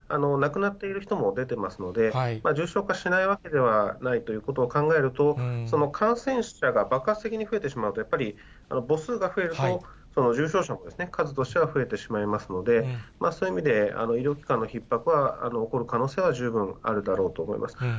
だんだんとそうしたデータも集まってきてますが、亡くなっている人も出てますので、重症化しないわけではないということを考えると、その感染者が爆発的に増えてしまうと、やっぱり母数が増えると重症者も数としては増えてしまいますので、そういう意味で医療機関のひっ迫は起こる可能性は十分あるだろうと思います。